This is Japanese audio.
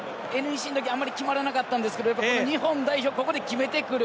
ＮＥＣのとき、あんまり決まらなかったんですけれど、日本代表のところで決めてくる。